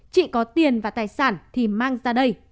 chị có tiền và tài sản thì mang ra đây